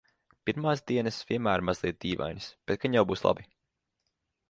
Pirmās dienas vienmēr mazliet dīvainas, bet gan jau būs labi.